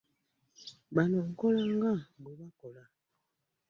Bano kola nga bwe bakola.